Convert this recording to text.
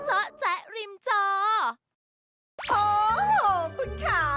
โอ้โหคุณค่ะ